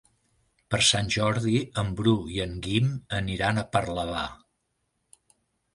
Per Sant Jordi en Bru i en Guim aniran a Parlavà.